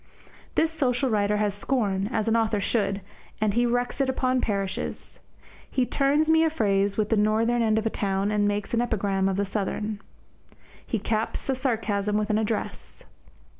This social writer has scorn, as an author should, and he wreaks it upon parishes. He turns me a phrase with the northern end of a town and makes an epigram of the southern. He caps a sarcasm with an address.